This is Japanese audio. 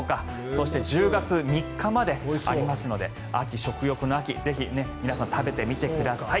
そして１０月３日までありますので食欲の秋、ぜひ皆さん食べてみてください。